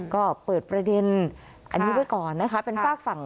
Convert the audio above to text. ก็เปิดประเด็นอันนี้ไว้ก่อนนะคะเป็นฝากฝั่ง